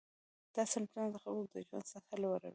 دا صنعتونه د خلکو د ژوند سطحه لوړوي.